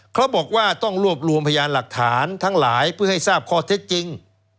เขาบอกว่าต้องรวบรวมพยานหลักฐานทั้งหลายเพื่อให้ทราบข้อเท็จจริง